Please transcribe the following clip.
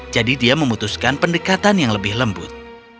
jadi dia memutuskan pendekatan yang lebih lembut